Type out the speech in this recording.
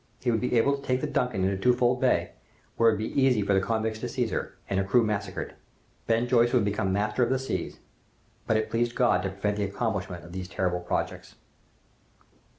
He would be able to take the 'Duncan' into Twofold Bay, where it would be easy for the convicts to seize her, and her crew massacred, Ben Joyce would become master of the seas. But it pleased God to prevent the accomplishment of these terrible projects.